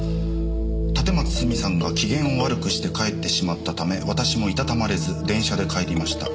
「立松スミさんが機嫌を悪くして帰ってしまったため私もいたたまれず電車で帰りました」